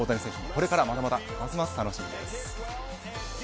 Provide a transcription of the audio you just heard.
これからまだまだ楽しみです。